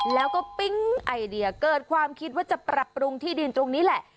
แล้วก็ปิ๊งไอเดียเกิดความคิดว่าจะปรับปรุงที่ดินตรงนี้แหละ